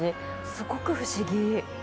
すごく不思議。